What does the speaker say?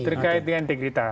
terkait dengan integritas